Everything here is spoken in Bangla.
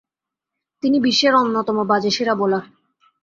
তিনি বিশ্বের অন্যতম বাজে সেরা বোলার।